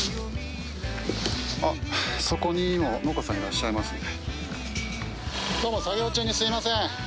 そこにも農家さんいらっしゃいますね。